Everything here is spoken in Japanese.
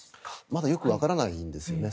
まだよくわからないんですよね。